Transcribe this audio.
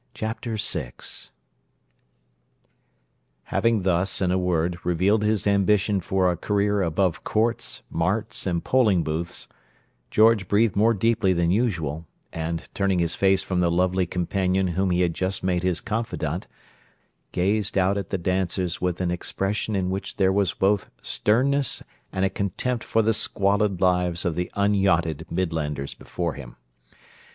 Chapter VI Having thus, in a word, revealed his ambition for a career above courts, marts, and polling booths, George breathed more deeply than usual, and, turning his face from the lovely companion whom he had just made his confidant, gazed out at the dancers with an expression in which there was both sternness and a contempt for the squalid lives of the unyachted Midlanders before him.